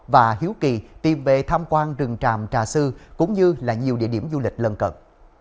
và hiếu kỳ tìm về tham quan rừng tràm trà sư cũng như là nhiều địa điểm du lịch lân cận